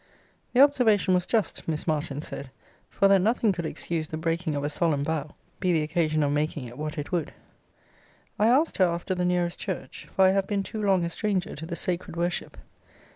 The observation was just, Miss Martin said; for that nothing could excuse the breaking of a solemn vow, be the occasion of making it what it would. I asked her after the nearest church; for I have been too long a stranger to the sacred worship.